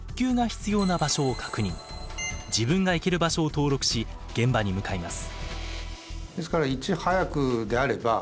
自分が行ける場所を登録し現場に向かいます。